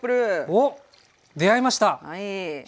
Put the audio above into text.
おっ出会いました！